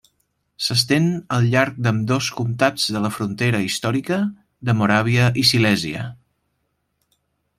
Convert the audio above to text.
S'estén al llarg d'ambdós costats de la frontera històrica de Moràvia-Silèsia.